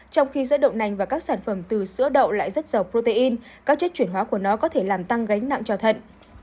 trong khi giữa đậu nành và các sản phẩm từ sữa đậu lại rất giàu protein các chất chuyển hóa của nó có thể làm tăng gánh nặng cho thận